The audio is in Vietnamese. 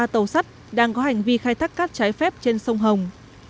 các tàu xe và các tàu xắt đang có hành vi khai thác cát trái phép trên sông hồng